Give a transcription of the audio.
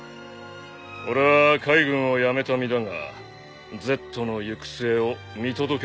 俺は海軍を辞めた身だがＺの行く末を見届けようと思う。